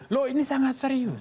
loh ini sangat serius